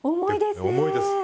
重いですね。